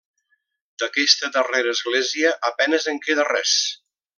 D'aquesta darrera església a penes en queda res.